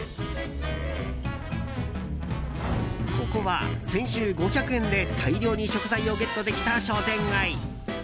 ここは先週、５００円で大量に食材をゲットできた商店街。